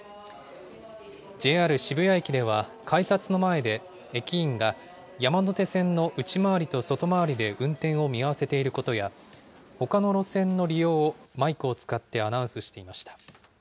ＪＲ渋谷駅では、改札の前で駅員が山手線の内回りと外回りで運転を見合わせていることや、ほかの路線の利用をマイクを使ってアナウンスをしていました。